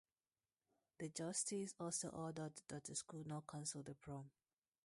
The justice also ordered that the school not cancel the prom.